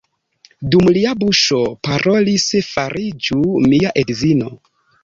Dum lia buŝo parolis: fariĝu mia edzino!